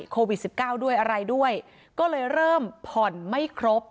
โควิด๑๙ด้วยอะไรด้วยก็เลยเริ่มผ่อนไม่ครบ